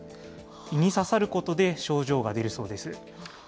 胃に刺さることで症状が出るそうです。